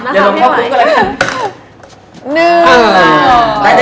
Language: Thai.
ตาพี่ใหม่ค่ะ